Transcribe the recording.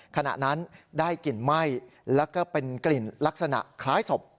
ขณะนั้นได้กลิ่นไหม้แล้วก็เป็นกลิ่นลักษณะคล้ายศพ